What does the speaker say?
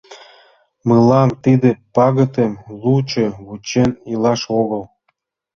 Мылам тиде пагытым лучо вучен илаш огыл.